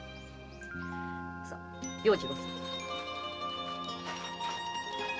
さあ要次郎さん。